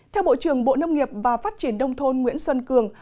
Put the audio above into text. theo bộ trưởng bộ nông nghiệp và phát triển đông thôn nguyễn xuân cường